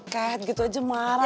kat gitu aja marah